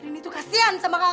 rini tuh kasihan sama kakak